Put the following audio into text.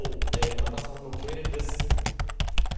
村田さんの経歴です。